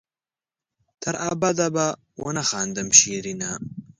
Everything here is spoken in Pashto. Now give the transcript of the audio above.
تر ابده به ونه خاندم شېرينه